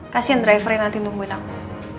kasian drivernya nanti nungguin aku